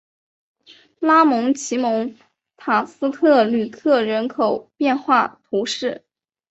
拉蒙济蒙塔斯特吕克人口变化图示